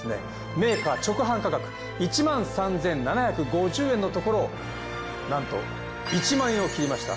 メーカー直販価格１３，７５０円のところをなんと１万円を切りました